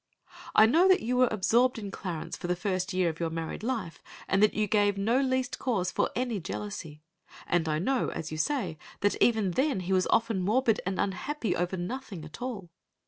I know that you were absorbed in Clarence for the first year of your married life, and that you gave no least cause for any jealousy, and I know, as you say, that even then he was often morbid and unhappy over nothing at all.